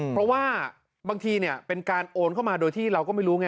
เพราะว่าบางทีเป็นการโอนเข้ามาโดยที่เราก็ไม่รู้ไง